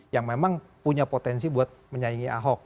yang memang punya potensi buat menyaingi ahok